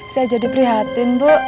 saya jadi prihatin bu